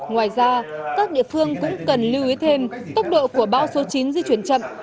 ngoài ra các địa phương cũng cần lưu ý thêm tốc độ của bão số chín di chuyển chậm